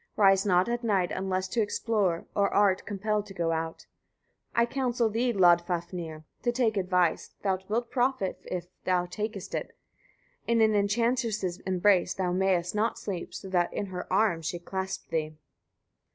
Rise not at night, unless to explore, or art compelled to go out. 115. I counsel thee, Loddfafnir, to take advice, thou wilt profit if thou takest it. In an enchantress's embrace thou mayest not sleep, so that in her arms she clasp thee.